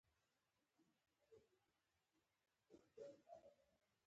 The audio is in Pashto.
هغه ډهلي ته ورسي او قدرت وځپي.